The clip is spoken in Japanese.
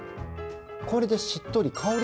これでしっとり香り